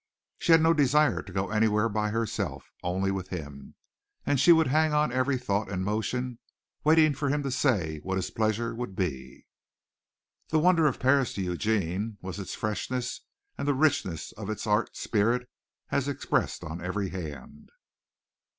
She had no desire to go anywhere by herself only with him; and she would hang on every thought and motion waiting for him to say what his pleasure would be. The wonder of Paris to Eugene was its freshness and the richness of its art spirit as expressed on every hand.